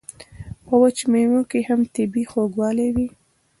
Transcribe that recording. په وچو میوو کې هم طبیعي خوږوالی وي.